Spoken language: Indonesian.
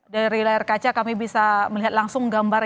dari layar kaca kami bisa melihat langsung gambar